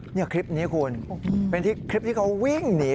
นี่คลิปนี้คุณเป็นคลิปที่เขาวิ่งหนี